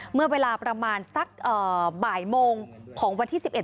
เมื่อเวลาประมาณสักเอ่อบ่ายโมงของวันที่สิบเอ็น